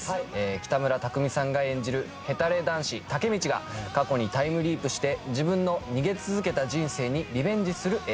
北村匠海さんが演じるヘタレ男子武道が過去にタイムリープして自分の逃げ続けた人生にリベンジする映画です。